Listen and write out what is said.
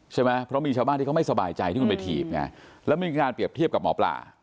ใช่ไหมเพราะมีชาวบ้านที่เขาไม่สบายใจที่คุณไปถีบไงแล้วมีการเปรียบเทียบกับหมอปลา